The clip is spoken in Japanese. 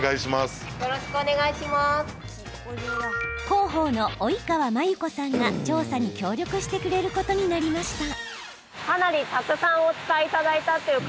広報の生川麻友子さんが調査に協力してくれることになりました。